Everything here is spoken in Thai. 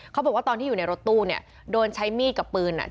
เขาบอกว่าตอนที่อยู่ในรถตู้เนี่ยโดนใช้มีดกับปืนอ่ะ